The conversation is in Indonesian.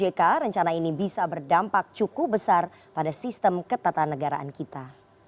karena rencana ini bisa berdampak cukup besar pada sistem ketatanegaraan kita